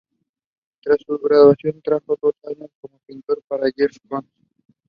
He criticized the government of Abdiweli Gaas for not fulfilling the promised democratic process.